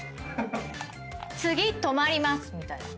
「次止まります」みたいな。